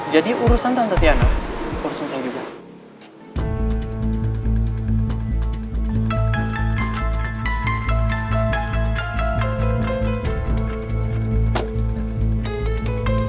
jadi urusan tante tiana urusan saya juga